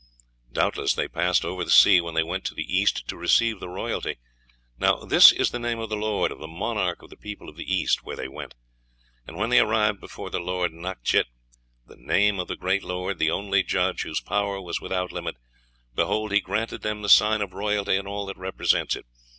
Doubtless they passed over the sea when they went to the East to receive the royalty. Now this is the name of the lord, of the monarch of the people of the East where they went. And when they arrived before the lord Nacxit, the name of the great lord, the only judge, whose power was without limit, behold he granted them the sign of royalty and all that represents it